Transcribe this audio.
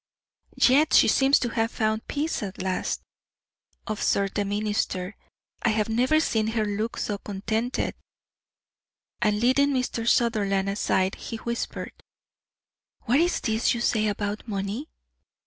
"Yet she seems to have found peace at last," observed the minister. "I have never seen her look so contented." And leading Mr. Sutherland aside, he whispered: "What is this you say about money?